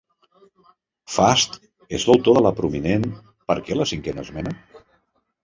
Fast és l'autor de la prominent Per què la cinquena esmena?